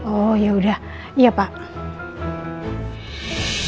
oh yaudah iya pak